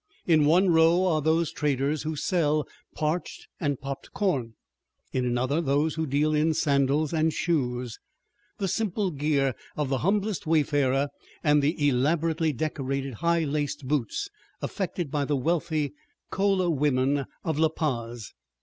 In one row are those traders who sell parched and popped corn; in another those who deal in sandals and shoes, the simple gear of the humblest wayfarer and the elaborately decorated high laced boots affected by the wealthy Chola women of La Paz.